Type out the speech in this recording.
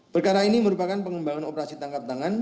perkara ini merupakan pengembangan operasi tangkap tangan